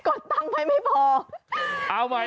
กดตั้งไปไม่พอ